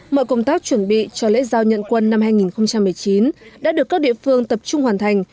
mọi công tác chuẩn bị cho lễ giao nhận quân năm hai nghìn một mươi chín đã được các địa phương tập trung hoàn thành